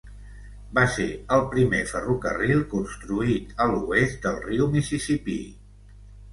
Va ser el primer ferrocarril construït a l'oest del riu Mississippi.